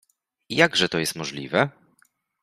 „I jakże to jest możliwe?”.